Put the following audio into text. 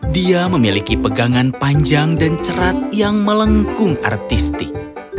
dia memiliki pegangan panjang dan cerat yang melengkung artistik